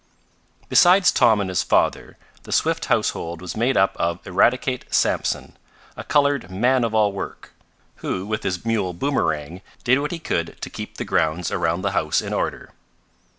Besides Tom and his father, the Swift household was made up of Eradicate Sampson, a colored man of all work, who, with his mule Boomerang, did what he could to keep the grounds around the house in order.